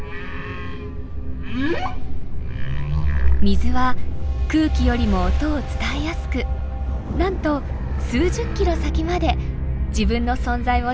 水は空気よりも音を伝えやすくなんと数十キロ先まで自分の存在を知らせることができます。